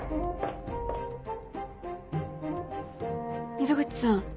溝口さん